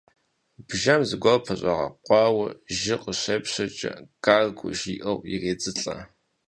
Бжэм зыгуэр пэщӏэгъакъуэ, жьы къыщепщэкӏэ, «гаргу» жиӏэу иредзылӏэ.